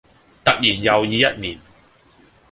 突然又已一年